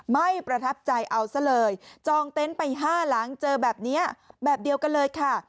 ไม่ประทับใจเอาซะเลยจองเต็นต์ไปห้าหลังเจอแบบนี้แบบเดียวกันเลยค่ะ